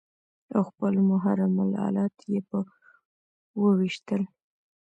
او خپل محرم الات يې په وويشتل.